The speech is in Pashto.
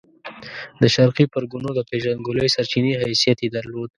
د شرقي پرګنو د پېژندګلوۍ سرچینې حیثیت یې درلود.